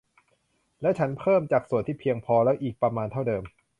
และฉันเพิ่มจากส่วนที่เพียงพอแล้วอีกประมาณเท่าเดิม